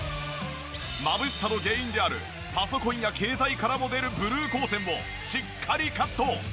まぶしさの原因であるパソコンや携帯からも出るブルー光線をしっかりカット！